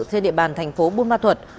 trên địa bàn thành phố buôn ma thuật